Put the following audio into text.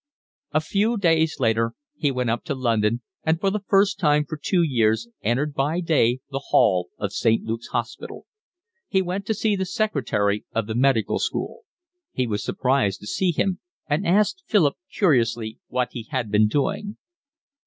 A few days later he went up to London, and for the first time for two years entered by day the hall of St. Luke's Hospital. He went to see the secretary of the Medical School; he was surprised to see him and asked Philip curiously what he had been doing.